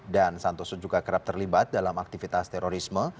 santoso juga kerap terlibat dalam aktivitas terorisme